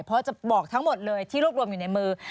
เพราะจะบอกทั้งหมดเลยที่รวบรวมอยู่ในมือ